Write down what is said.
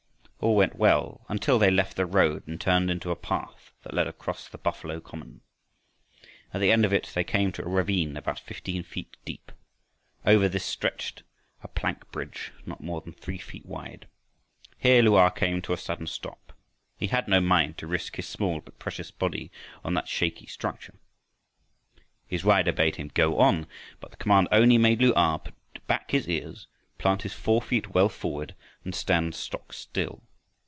All went well until they left the road and turned into a path that led across the buffalo common. At the end of it they came to a ravine about fifteen feet deep. Over this stretched a plank bridge not more than three feet wide. Here Lu a came to a sudden stop. He had no mind to risk his small but precious body on that shaky structure. His rider bade him "go on," but the command only made Lu a put back his ears, plant his fore feet well forward and stand stock still.